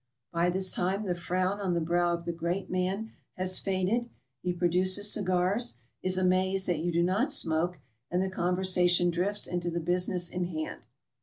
By this time the frown on the brow of the great man has faded; he pro duces cigars, is amazed that you do not smoke, and the conversation drifts into the business in hand.